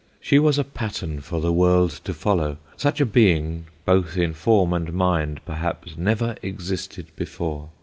She was a pattern for the World to follow: Such a being both in form and mind perhaps never existed before.